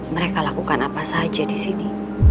mereka lakukan apa saja di sini